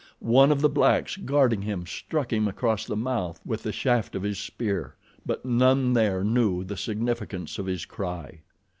One of the blacks guarding him struck him across the mouth with the haft of his spear; but none there knew the significance of his cry.